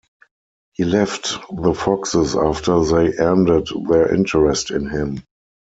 He left the Foxes after they ended their interest in him.